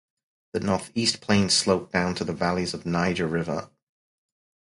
The northeast plains slope down to the valleys of Niger river.